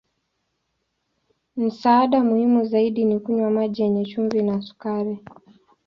Msaada muhimu zaidi ni kunywa maji yenye chumvi na sukari.